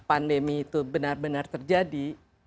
pandemi itu benar benar terjadi